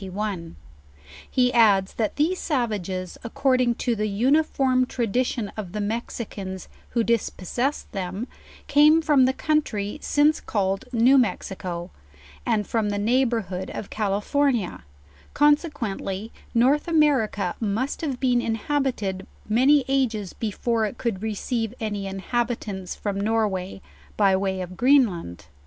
He adds, that these savages, according k> the uniform tradition of the 1GO JOURNAL OF Mexicans who dispossessed them, came from the country since called New Mexico, and from the neighborhood of Cali fornia; consequently North America must have been inhabi ted many ages before it could receive any inhabitants fr ;m Norway, by way of Greenland.